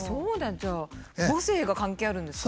じゃあ母性が関係あるんですね。